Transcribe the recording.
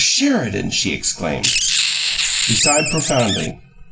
Sheridan!" she exclaimed. He sighed profoundly.